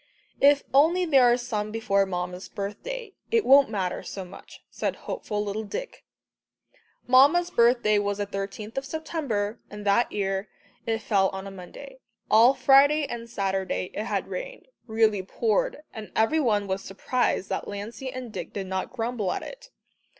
"If only there are some before Mamma's birthday, it won't matter so much," said hopeful little Dick. Mamma's birthday was the thirteenth of September, and that year it fell on a Monday. All Friday and Saturday it had rained really poured and every one was surprised that Lancey and Dick did not grumble at it.